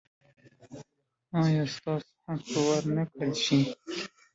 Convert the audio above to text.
ایا ستاسو حق به ور نه کړل شي؟